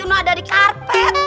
udah ada di karpet